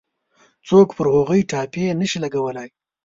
څوک پر هغوی ټاپې نه شي لګولای.